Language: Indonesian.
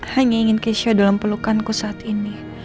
hanya ingin gesya dalam pelukanku saat ini